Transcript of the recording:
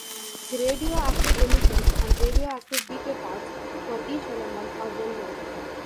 The radioactive emissions and radioactive decay paths for each element are well known.